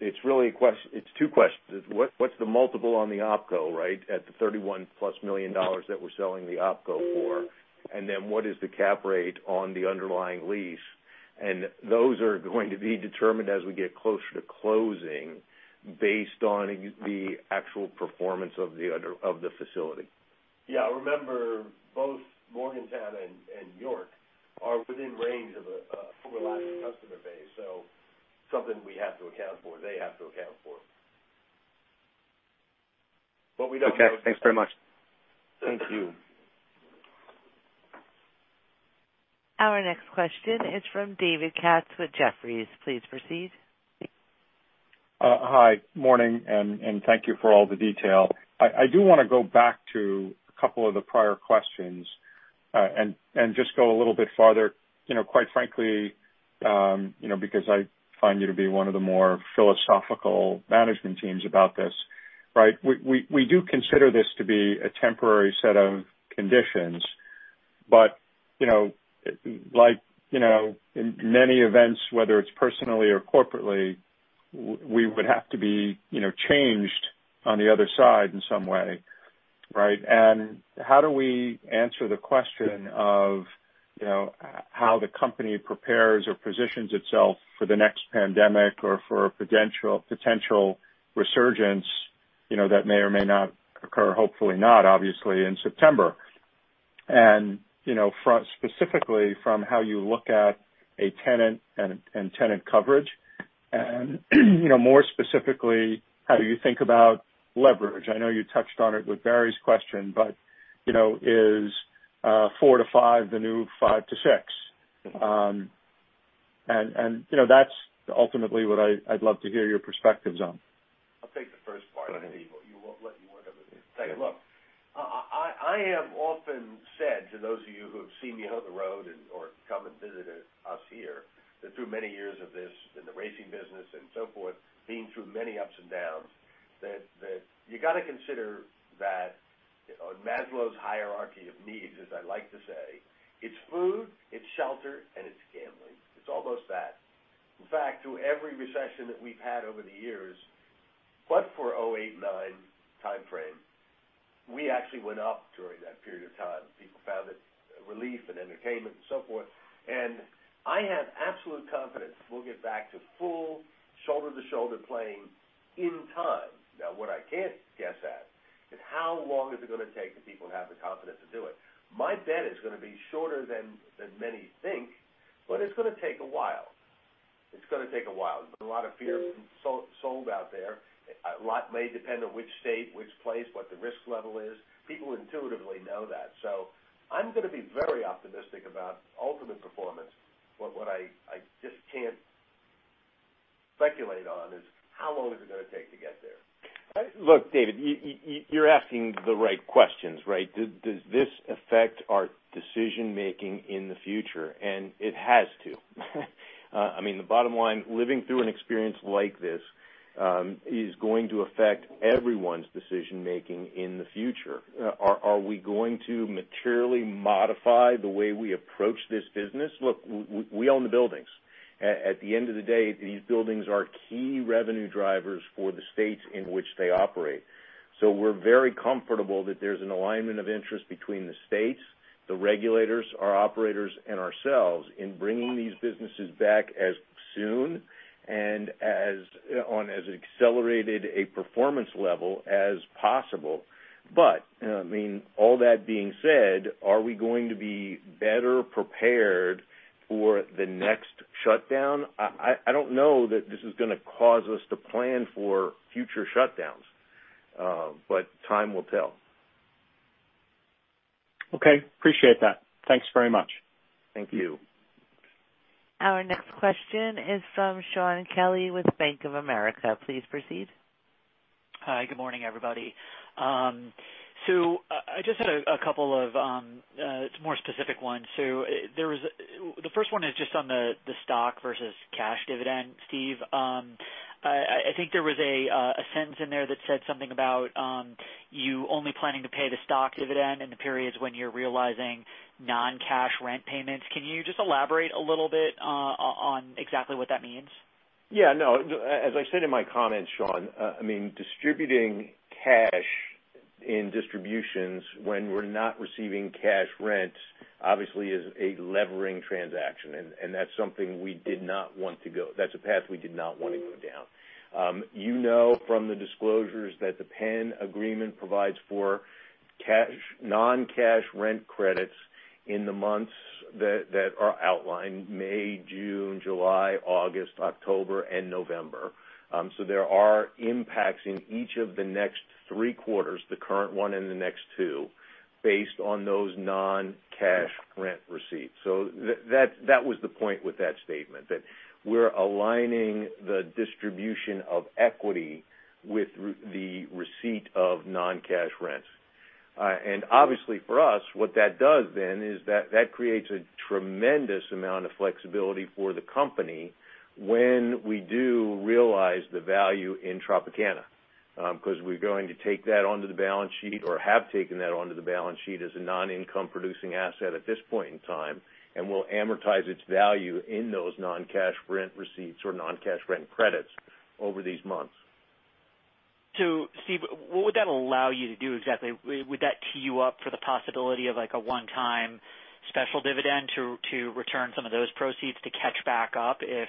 It's two questions. What's the multiple on the OpCo, at the $31+ million that we're selling the OpCo for? What is the cap rate on the underlying lease? Those are going to be determined as we get closer to closing based on the actual performance of the facility. Yeah. Remember, both Morgantown and York are within range of an overlapping customer base, so something we have to account for, they have to account for. We don't know. Okay. Thanks very much. Thank you. Our next question is from David Katz with Jefferies. Please proceed. Hi. Morning, thank you for all the detail. I do want to go back to a couple of the prior questions, and just go a little bit farther. Quite frankly, because I find you to be one of the more philosophical management teams about this. We do consider this to be a temporary set of conditions. In many events, whether it's personally or corporately, we would have to be changed on the other side in some way, right? How do we answer the question of how the company prepares or positions itself for the next pandemic or for a potential resurgence that may or may not occur, hopefully not, obviously, in September. Specifically from how you look at a tenant and tenant coverage and more specifically, how do you think about leverage? I know you touched on it with Barry's question, is four to five the new five to six? That's ultimately what I'd love to hear your perspectives on. I'll take the first part and then let you weigh in on the second. Look, I have often said to those of you who have seen me on the road or come and visited us here, that through many years of this, in the racing business and so forth, being through many ups and downs, that you got to consider that Maslow's hierarchy of needs, as I like to say, it's food, it's shelter, and it's gambling. It's almost that. In fact, through every recession that we've had over the years, but for 2008, 2009 timeframe, we actually went up during that period of time. People found it relief and entertainment and so forth. I have absolute confidence we'll get back to full shoulder to shoulder playing in time. Now, what I can't guess at is how long is it going to take for people to have the confidence to do it. My bet is going to be shorter than many think, but it's going to take a while. There's a lot of fear sold out there. A lot may depend on which state, which place, what the risk level is. People intuitively know that. I'm going to be very optimistic about ultimate performance. What I just can't speculate on is how long is it going to take to get there. Look, David, you're asking the right questions. Does this affect our decision-making in the future? It has to. The bottom line, living through an experience like this, is going to affect everyone's decision-making in the future. Are we going to materially modify the way we approach this business? Look, we own the buildings. At the end of the day, these buildings are key revenue drivers for the states in which they operate. We're very comfortable that there's an alignment of interest between the states, the regulators, our operators, and ourselves in bringing these businesses back as soon and on as accelerated a performance level as possible. All that being said, are we going to be better prepared for the next shutdown? I don't know that this is going to cause us to plan for future shutdowns. Time will tell. Okay. Appreciate that. Thanks very much. Thank you. Our next question is from Shaun Kelley with Bank of America. Please proceed. Hi, good morning, everybody. I just had a couple of more specific ones. The first one is just on the stock versus cash dividend, Steve. I think there was a sentence in there that said something about you only planning to pay the stock dividend in the periods when you're realizing non-cash rent payments. Can you just elaborate a little bit on exactly what that means? Yeah, no. As I said in my comments, Shaun, distributing cash in distributions when we're not receiving cash rents obviously is a levering transaction. That's a path we did not want to go down. You know from the disclosures that the Penn agreement provides for non-cash rent credits in the months that are outlined May, June, July, August, October, and November. There are impacts in each of the next three quarters, the current one and the next two, based on those non-cash rent receipts. That was the point with that statement, that we're aligning the distribution of equity with the receipt of non-cash rents. Obviously for us, what that does then is that creates a tremendous amount of flexibility for the company when we do realize the value in Tropicana. We're going to take that onto the balance sheet, or have taken that onto the balance sheet as a non-income producing asset at this point in time, and we'll amortize its value in those non-cash rent receipts or non-cash rent credits over these months. Steve, what would that allow you to do exactly? Would that tee you up for the possibility of a one-time special dividend to return some of those proceeds to catch back up if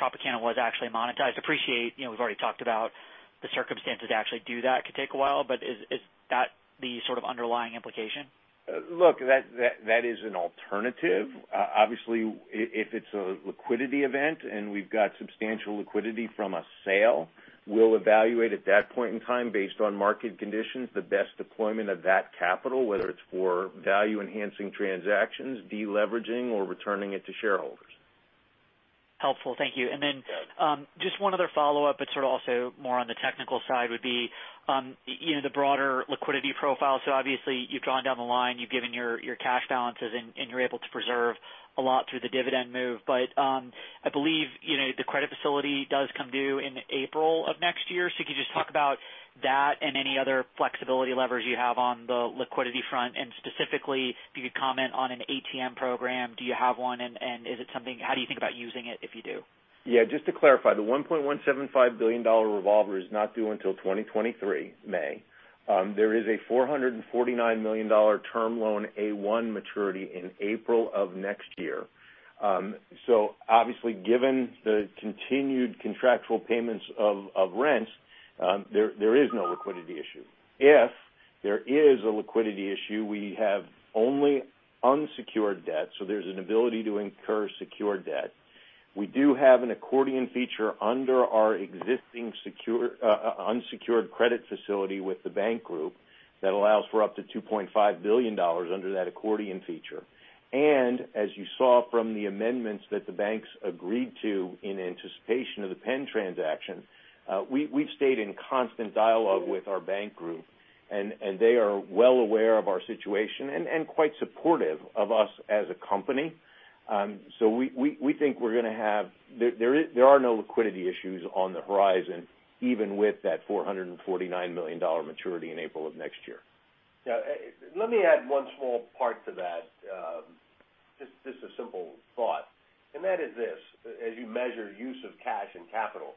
Tropicana was actually monetized? Appreciate, we've already talked about the circumstances to actually do that could take a while, is that the sort of underlying implication? Look, that is an alternative. Obviously, if it's a liquidity event and we've got substantial liquidity from a sale, we'll evaluate at that point in time based on market conditions, the best deployment of that capital, whether it's for value-enhancing transactions, de-leveraging, or returning it to shareholders. Helpful. Thank you. Just one other follow-up, sort of also more on the technical side would be, the broader liquidity profile. Obviously you've drawn down the line, you've given your cash balances, and you're able to preserve a lot through the dividend move. I believe, the credit facility does come due in April of next year. Could you just talk about that and any other flexibility levers you have on the liquidity front, and specifically, if you could comment on an ATM program. Do you have one and how do you think about using it if you do? Yeah, just to clarify, the $1.175 billion revolver is not due until 2023, May. There is a $449 million term loan, A-1 maturity in April of next year. Obviously given the continued contractual payments of rents, there is no liquidity issue. If there is a liquidity issue, we have only unsecured debt, so there's an ability to incur secure debt. We do have an accordion feature under our existing unsecured credit facility with the bank group that allows for up to $2.5 billion under that accordion feature. As you saw from the amendments that the banks agreed to in anticipation of the Penn transaction, we've stayed in constant dialogue with our bank group, and they are well aware of our situation and quite supportive of us as a company. We think there are no liquidity issues on the horizon, even with that $449 million maturity in April of next year. Let me add one small part to that. Just a simple thought, and that is this, as you measure use of cash and capital.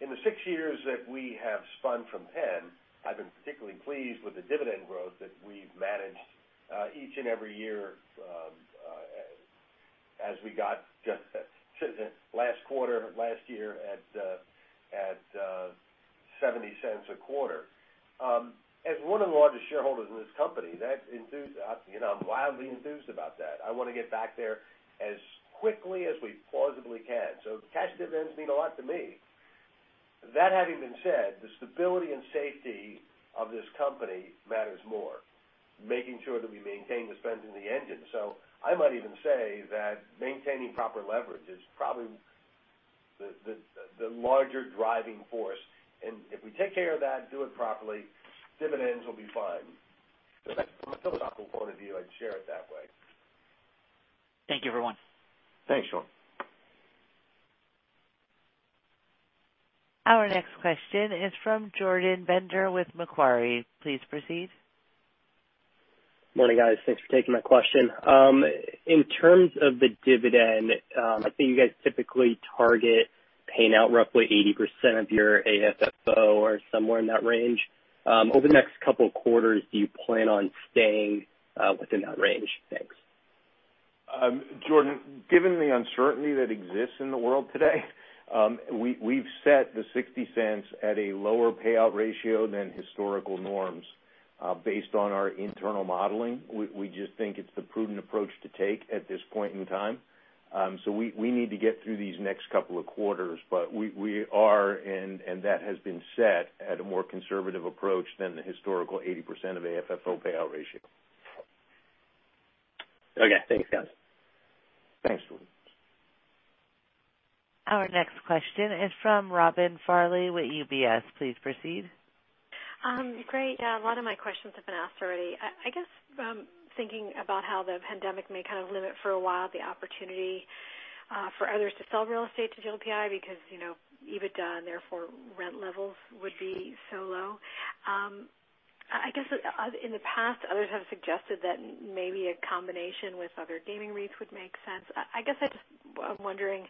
In the six years that we have spun from Penn, I've been particularly pleased with the dividend growth that we've managed, each and every year as we got just last quarter, last year at, $0.70 a quarter. As one of the largest shareholders in this company, I'm wildly enthused about that. I want to get back there as quickly as we plausibly can. Cash dividends mean a lot to me. That having been said, the stability and safety of this company matters more, making sure that we maintain the strength in the engine. I might even say that maintaining proper leverage is probably the larger driving force, and if we take care of that and do it properly, dividends will be fine. From a philosophical point of view, I'd share it that way. Thank you, everyone. Thanks, Shaun. Our next question is from Jordan Bender with Macquarie. Please proceed. Morning, guys. Thanks for taking my question. In terms of the dividend, I think you guys typically target paying out roughly 80% of your AFFO or somewhere in that range. Over the next couple of quarters, do you plan on staying within that range? Thanks. Jordan, given the uncertainty that exists in the world today, we've set the $0.60 at a lower payout ratio than historical norms, based on our internal modeling. We just think it's the prudent approach to take at this point in time. We need to get through these next couple of quarters, but we are, and that has been set at a more conservative approach than the historical 80% of AFFO payout ratio. Okay. Thanks, guys. Thanks. Our next question is from Robin Farley with UBS. Please proceed. Great. A lot of my questions have been asked already. I guess, thinking about how the pandemic may kind of limit for a while the opportunity for others to sell real estate to GLPI because, EBITDA and therefore rent levels would be so low. I guess, in the past, others have suggested that maybe a combination with other gaming REITs would make sense. I guess I'm just wondering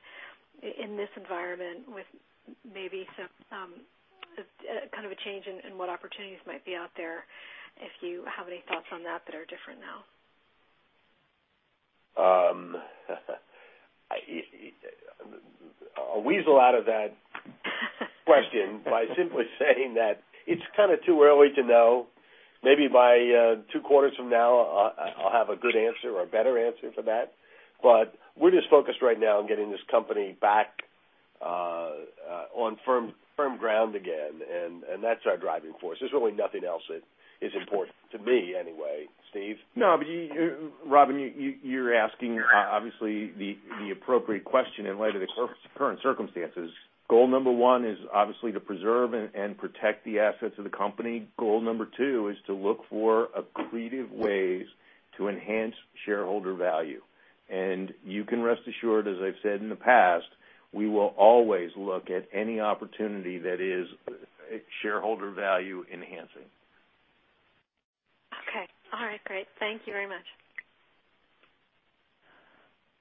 in this environment with maybe some, kind of a change in what opportunities might be out there, if you have any thoughts on that are different now. I'll weasel out of that question by simply saying that it's kind of too early to know. Maybe by two quarters from now, I'll have a good answer or a better answer for that. We're just focused right now on getting this company back on firm ground again. That's our driving force. There's really nothing else that is important, to me anyway. Steve? Robin, you're asking obviously the appropriate question in light of the current circumstances. Goal number one is obviously to preserve and protect the assets of the company. Goal number two is to look for accretive ways to enhance shareholder value. You can rest assured, as I've said in the past, we will always look at any opportunity that is shareholder value enhancing. Okay. All right, great. Thank you very much.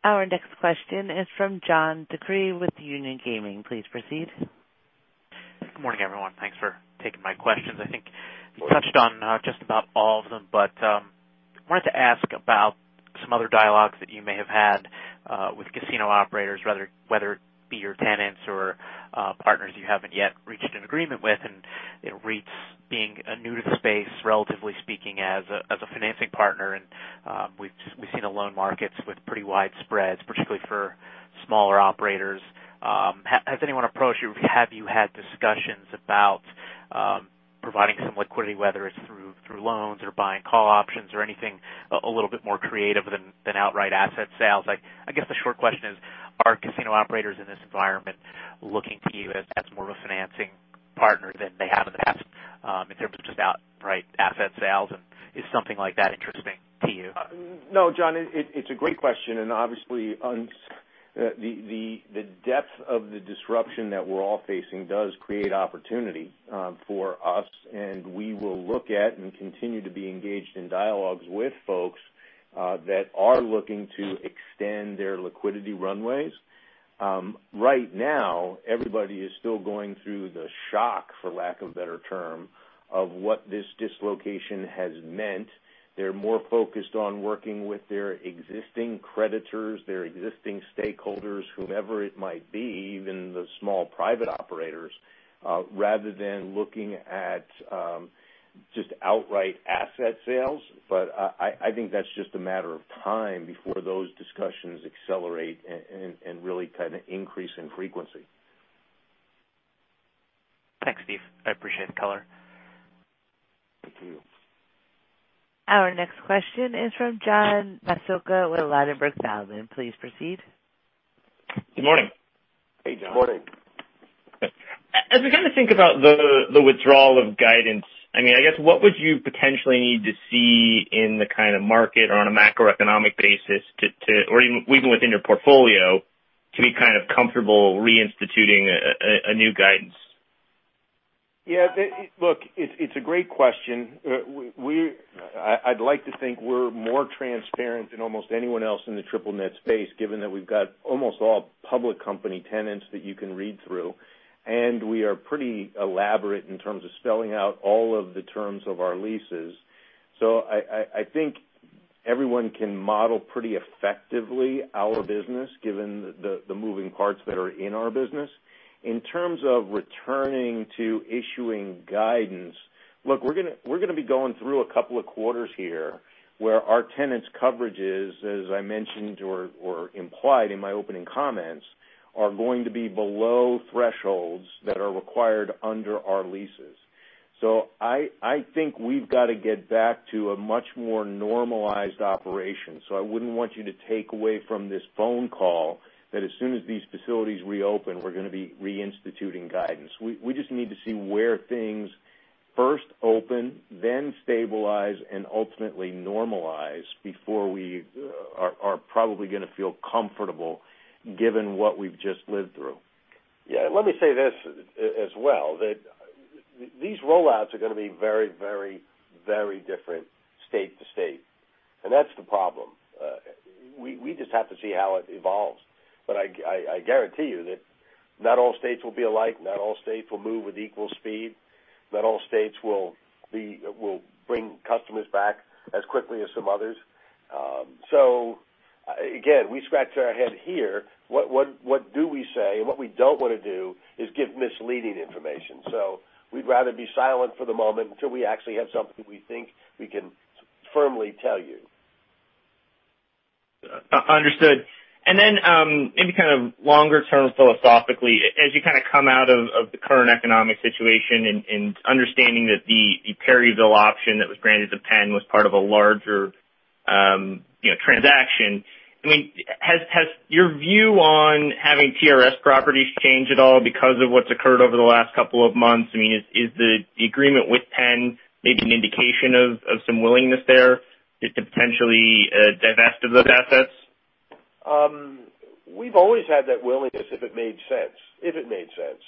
Our next question is from John DeCree with Union Gaming. Please proceed. Good morning, everyone. Thanks for taking my questions. I think you touched on just about all of them. I wanted to ask about some other dialogues that you may have had with casino operators, whether it be your tenants or partners you haven't yet reached an agreement with, and REITs being new to the space, relatively speaking, as a financing partner, and we've seen the loan markets with pretty wide spreads, particularly for smaller operators. Has anyone approached you? Have you had discussions about providing some liquidity, whether it's through loans or buying call options or anything a little bit more creative than outright asset sales? I guess the short question is, are casino operators in this environment looking to you as more of a financing partner than they have in the past in terms of just outright asset sales, and is something like that interesting to you? No, John, it's a great question. Obviously, the depth of the disruption that we're all facing does create opportunity for us, and we will look at and continue to be engaged in dialogues with folks that are looking to extend their liquidity runways. Right now, everybody is still going through the shock, for lack of a better term, of what this dislocation has meant. They're more focused on working with their existing creditors, their existing stakeholders, whomever it might be, even the small private operators, rather than looking at just outright asset sales. I think that's just a matter of time before those discussions accelerate and really increase in frequency. Thanks, Steve. I appreciate the color. Thank you. Our next question is from John Massocca with Ladenburg Thalmann. Please proceed. Good morning. Hey, John. Good morning. As we think about the withdrawal of guidance, I guess what would you potentially need to see in the kind of market on a macroeconomic basis or even within your portfolio to be comfortable reinstituting a new guidance? Yeah. Look, it's a great question. I'd like to think we're more transparent than almost anyone else in the triple-net space, given that we've got almost all public company tenants that you can read through, we are pretty elaborate in terms of spelling out all of the terms of our leases. I think everyone can model pretty effectively our business, given the moving parts that are in our business. In terms of returning to issuing guidance, look, we're going to be going through a couple of quarters here where our tenants' coverages, as I mentioned or implied in my opening comments, are going to be below thresholds that are required under our leases. I think we've got to get back to a much more normalized operation. I wouldn't want you to take away from this phone call that as soon as these facilities reopen, we're going to be reinstituting guidance. We just need to see where things first open, then stabilize, and ultimately normalize before we are probably going to feel comfortable given what we've just lived through. Let me say this as well, that these roll-outs are going to be very different state to state, and that's the problem. We just have to see how it evolves. I guarantee you that not all states will be alike, not all states will move with equal speed, not all states will bring customers back as quickly as some others. Again, we scratch our head here. What do we say? What we don't want to do is give misleading information. We'd rather be silent for the moment until we actually have something we think we can firmly tell you. Understood. Maybe longer term, philosophically, as you come out of the current economic situation and understanding that the Perryville option that was granted to Penn was part of a larger transaction, has your view on having TRS properties changed at all because of what's occurred over the last couple of months? Is the agreement with Penn maybe an indication of some willingness there to potentially divest of those assets? We've always had that willingness if it made sense.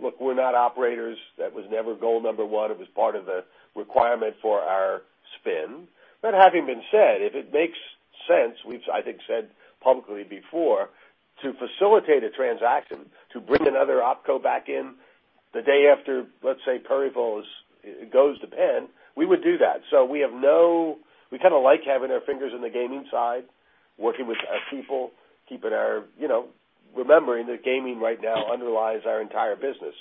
Look, we're not operators. That was never goal number one. It was part of the requirement for our spin. Having been said, if it makes sense, we've, I think, said publicly before, to facilitate a transaction to bring another opco back in the day after, let's say, Perryville goes to Penn, we would do that. We kind of like having our fingers in the gaming side, working with our people, remembering that gaming right now underlies our entire business.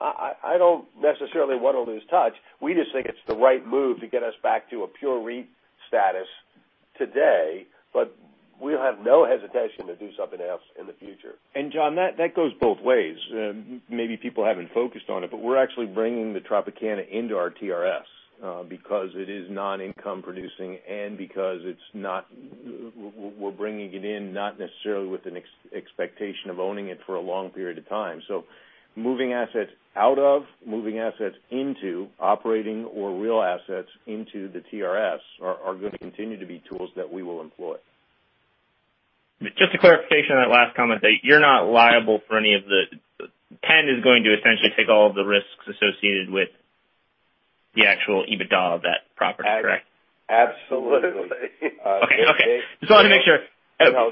I don't necessarily want to lose touch. We just think it's the right move to get us back to a pure REIT status today, but we'll have no hesitation to do something else in the future. John, that goes both ways. Maybe people haven't focused on it, but we're actually bringing the Tropicana into our TRS because it is non-income producing and because we're bringing it in not necessarily with an expectation of owning it for a long period of time. Moving assets into operating or real assets into the TRS are going to continue to be tools that we will employ. Just a clarification on that last comment, that you're not liable for any of the Penn is going to essentially take all of the risks associated with the actual EBITDA of that property, correct? Absolutely. Okay. Just wanted to make sure. No,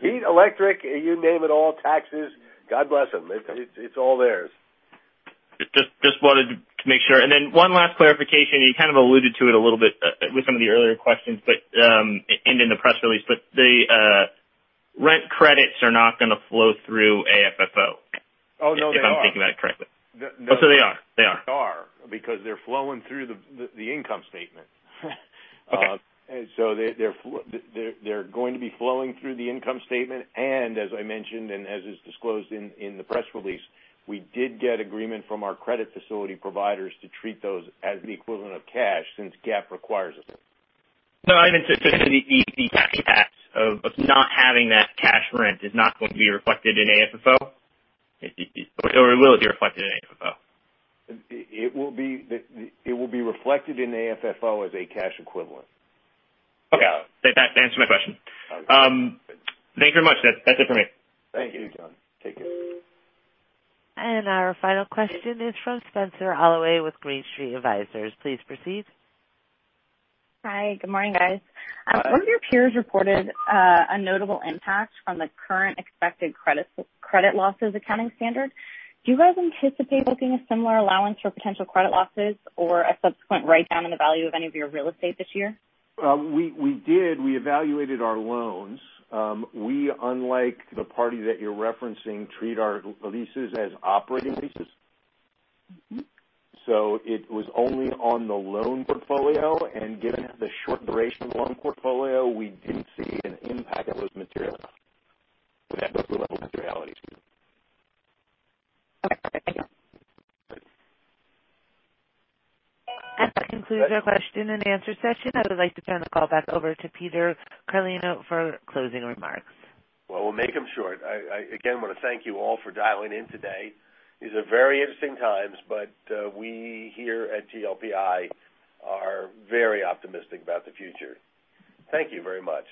heat, electric, you name it all, taxes, God bless them. It's all theirs. Just wanted to make sure. One last clarification, you kind of alluded to it a little bit with some of the earlier questions, and in the press release, but the rent credits are not going to flow through AFFO? Oh, no, they are. if I'm thinking about it correctly. Oh, so they are? They are, because they're flowing through the income statement. Okay. They're going to be flowing through the income statement, and as I mentioned, and as is disclosed in the press release, we did get agreement from our credit facility providers to treat those as the equivalent of cash, since GAAP requires us. No, I meant just in the tax of not having that cash rent is not going to be reflected in AFFO? Or will it be reflected in AFFO? It will be reflected in AFFO as a cash equivalent. Okay. That answers my question. Okay. Thank you very much. That's it for me. Thank you, John. Take care. Our final question is from Spenser Allaway with Green Street Advisors. Please proceed. Hi. Good morning, guys. Good morning. One of your peers reported a notable impact on the current expected credit losses accounting standard. Do you guys anticipate booking a similar allowance for potential credit losses or a subsequent write-down on the value of any of your real estate this year? We did. We evaluated our loans. We, unlike the party that you're referencing, treat our leases as operating leases. It was only on the loan portfolio, and given the short duration of the loan portfolio, we didn't see an impact that was material. Okay. Thank you. Good. That concludes our question and answer session. I would like to turn the call back over to Peter Carlino for closing remarks. Well, we'll make them short. Again, I want to thank you all for dialing in today. These are very interesting times, but we here at GLPI are very optimistic about the future. Thank you very much.